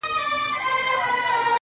او تاسو ټولو ته وایم